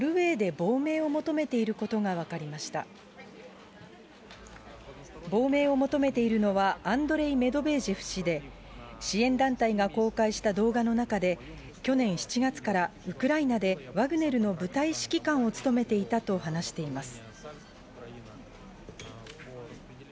亡命を求めているのは、アンドレイ・メドベージェフ氏で、支援団体が公開した動画の中で、去年７月からウクライナで、ワグネルの部隊指揮官を務めていたと話しています。